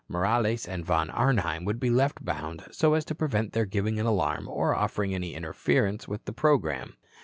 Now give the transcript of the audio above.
Morales and Von Arnheim would be left bound so as to prevent their giving an alarm or offering any interference with the programme.